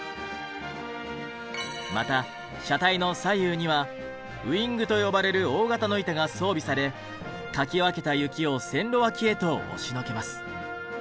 また車体の左右にはウィングと呼ばれる大型の板が装備されかき分けた雪を線路脇へと押しのけます。